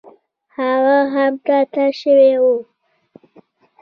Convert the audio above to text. هغه هم تا ته شوی و.